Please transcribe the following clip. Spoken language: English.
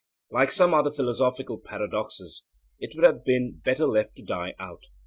Like some other philosophical paradoxes, it would have been better left to die out.